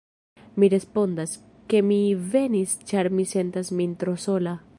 Mi respondas, ke mi venis ĉar mi sentas min tro sola.